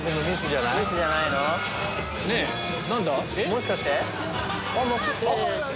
もしかして？